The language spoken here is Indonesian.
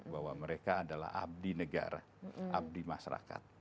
bahwa mereka adalah abdi negara abdi masyarakat